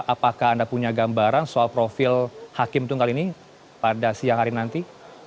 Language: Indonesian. apakah anda punya gambaran soal profil hakim tunggal ini pada siang hari nanti